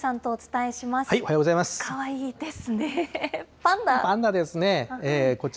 かわいいですね。